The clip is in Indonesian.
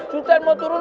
sutan mau turun